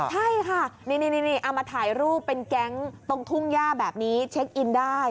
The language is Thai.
ใช่ค่ะนี่เอามาถ่ายรูปเป็นแก๊งตรงทุ่งย่าแบบนี้เช็คอินได้